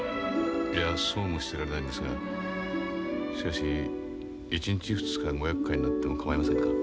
いやそうもしてられないんですがしかし１日２日ごやっかいになっても構いませんか？